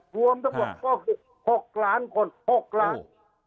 รวมทั้งหมดก็๖ล้านคน๖ล้าน